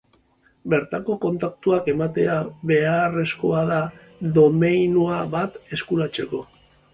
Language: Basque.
Bertako kontaktua ematea beharrezkoa da domeinua bat eskuratzeko.